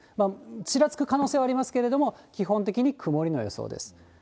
ちらつく可能性はありますけれども、基本的に曇りの予想です。